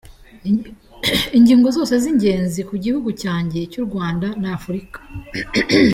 Ingingo zose z’ingenzi ku gihugu cyanjye cy’u Rwanda na Afurika.